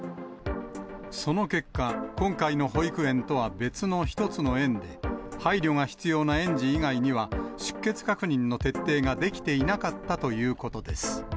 その結果、今回の保育園とは別の１つの園で、配慮が必要な園児以外には、出欠確認の徹底ができていなかったということです。